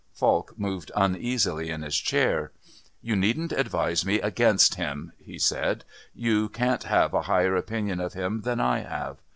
Falk moved uneasily in his chair: "You needn't advise me against him," he said; "you can't have a higher opinion of him than I have.